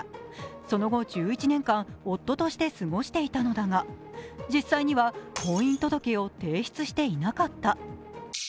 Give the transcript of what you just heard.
その後１１年間、夫として過ごしていたのだが、実際には、婚姻届を提出していなかった。